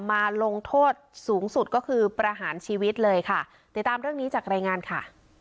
มาลงโทษสูงสุดก็คือประหารชีวิตเลยค่ะติดตามเรื่องนี้จากรายงานค่ะ